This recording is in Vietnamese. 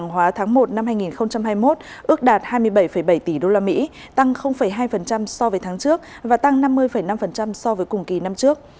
hóa tháng một năm hai nghìn hai mươi một ước đạt hai mươi bảy bảy tỷ usd tăng hai so với tháng trước và tăng năm mươi năm so với cùng kỳ năm trước